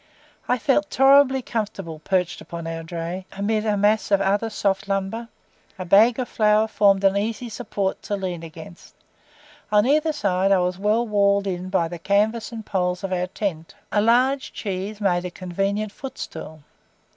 I felt tolerably comfortable perched upon our dray, amid a mass of other soft lumber; a bag of flour formed an easy support to lean against; on either side I was well walled in by the canvas and poles of our tent; a large cheese made a convenient footstool.